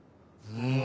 うん。